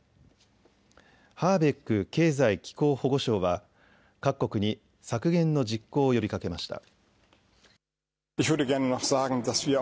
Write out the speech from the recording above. ハーベック経済・気候保護相は各国に削減の実行を呼びかけました。